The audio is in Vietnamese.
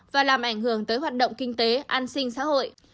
và làm ảnh hưởng tới hoạt động kinh tế an sinh xã hội